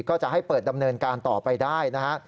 ก็จะให้เปิดดำเนินการต่อไปได้นะฮะ